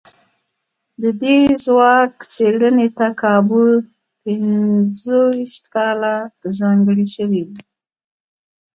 د دې ځواک څېړنې ته کابو پينځو ويشت کاله ځانګړي شوي وو.